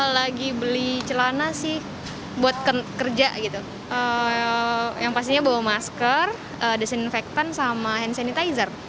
lagi beli celana sih buat kerja gitu yang pastinya bawa masker desinfektan sama hand sanitizer